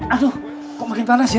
aduh kok makin panas ya